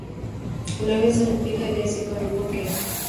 Unaweza kupika Viazi kwa mvuke